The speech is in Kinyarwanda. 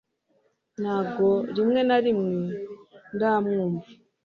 Ntabwo rimwe na rimwe ndamwumva